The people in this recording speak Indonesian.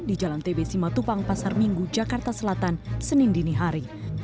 di jalan tb simatupang pasar minggu jakarta selatan senin dinihari